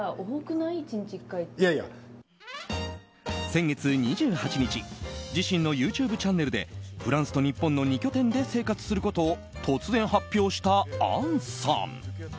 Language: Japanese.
先月２８日、自身のＹｏｕＴｕｂｅチャンネルでフランスと日本の２拠点で生活することを突然発表した杏さん。